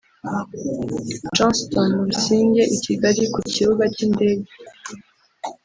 Johnston Busingye i Kigali ku kibuga cy’indege